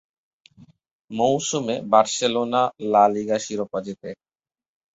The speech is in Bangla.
মৌসুমে বার্সেলোনা লা লিগা শিরোপা জেতে।